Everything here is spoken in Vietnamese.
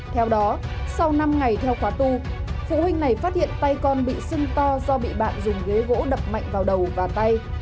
theo đó sau năm ngày theo khóa tu phụ huynh này phát hiện tay con bị sưng to do bị bạn dùng ghế gỗ đập mạnh vào đầu và tay